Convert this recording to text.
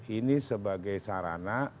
ini sebagai sarana